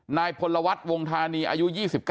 นายพลวัฒน์วงธานีอายุ๒๙